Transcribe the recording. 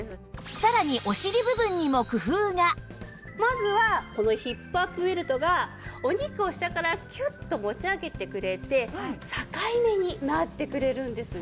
さらにまずはこのヒップアップベルトがお肉を下からキュッと持ち上げてくれて境目になってくれるんですね。